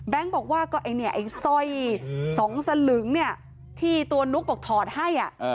แบงค์บอกว่าซอยสองสลึงที่ตัวนุ๊กบอกถอดให้